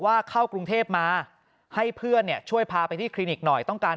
เข้ากรุงเทพมาให้เพื่อนเนี่ยช่วยพาไปที่คลินิกหน่อยต้องการ